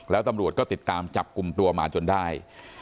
แล้วตำรวจก็ติดตามจับกลุ่มตัวมาจนได้